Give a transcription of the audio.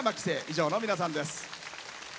以上の皆さんです。